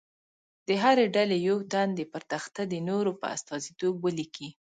د هرې ډلې یو تن دې پر تخته د نورو په استازیتوب ولیکي.